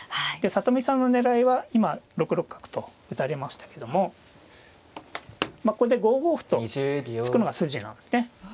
里見さんの狙いは今６六角と打たれましたけどもこれで５五歩と突くのが筋なんですね。